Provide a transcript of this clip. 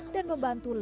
dan membantu lewat lewat